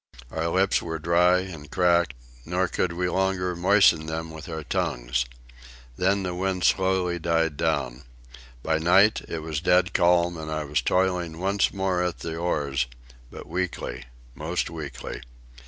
Our lips were dry and cracked, nor could we longer moisten them with our tongues. Then the wind slowly died down. By night it was dead calm and I was toiling once more at the oars—but weakly, most weakly.